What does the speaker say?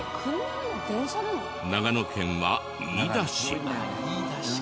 長野県は飯田市。